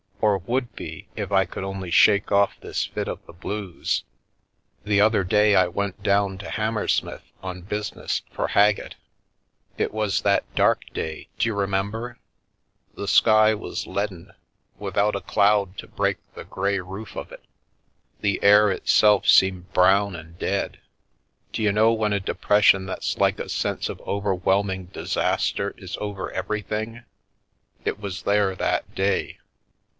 Or would be, if I could only shake off this fit of the blues. The other day I went down to Hammersmith on business for Haggett. It was that dark day, d'you remember? The sky was leaden, with out a cloud to break the grey roof of it, the air itself seemed brown and dead. D'you know when a depres sion that's like a sense of overwhelming disaster is over everything? It was there that day.